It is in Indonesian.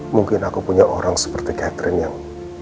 mungkin aku punya orang seperti catherine yang